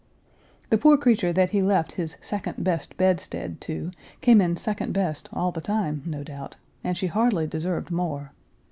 The poor creature that he left his second best bedstead to came in second best all the time, no doubt; and she hardly deserved more.